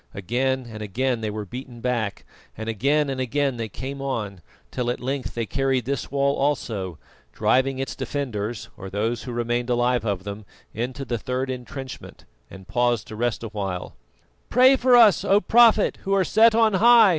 Again and again they were beaten back, and again and again they came on, till at length they carried this wall also, driving its defenders, or those who remained alive of them, into the third entrenchment, and paused to rest awhile. "Pray for us, O Prophet who are set on high!"